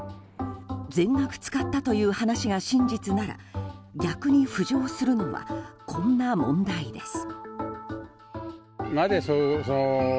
全額使ったという話が真実なら逆に浮上するのはこんな問題です。